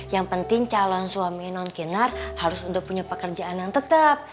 yang penting calon suami non kinar harus untuk punya pekerjaan yang tetap